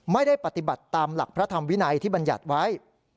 ไม่ได้ปฏิบัติตามหลักพระธรรมวินัยที่บรรยัติไว้